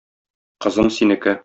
Кызым синеке.